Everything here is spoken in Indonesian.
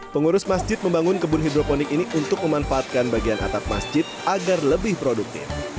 pengurus masjid membangun kebun hidroponik ini untuk memanfaatkan bagian atap masjid agar lebih produktif